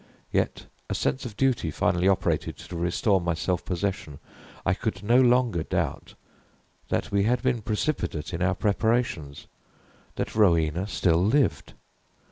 Yet a sense of duty finally operated to restore my self possession. I could no longer doubt that we had been precipitate in our preparations that Rowena still lived.